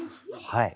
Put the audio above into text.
はい。